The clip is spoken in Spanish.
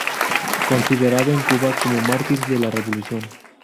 Considerado en Cuba como mártir de la revolución.